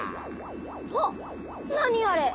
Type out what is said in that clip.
あっなにあれ！